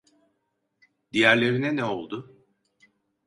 Diğerlerine ne oldu?